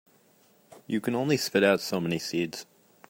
You can only spit out so many seeds.